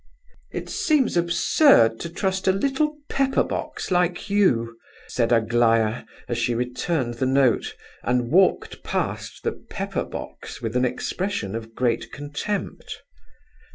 "It seems absurd to trust a little pepper box like you," said Aglaya, as she returned the note, and walked past the "pepper box" with an expression of great contempt.